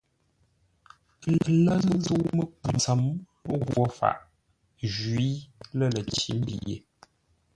Ə lə̂ʉ zə̂u-mə́ku tsəm ghwo faʼ jwǐ lə̂ ləcǐ-mbî ye.